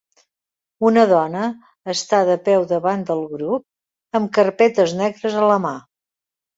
Una dona està de peu davant del grup amb carpetes negres a la mà.